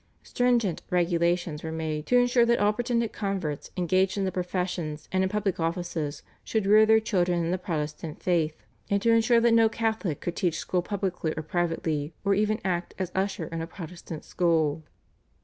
Stringent regulations were made to ensure that all pretended converts engaged in the professions and in public offices should rear their children in the Protestant faith, and to ensure that no Catholic could teach school publicly or privately or even act as usher in a Protestant school.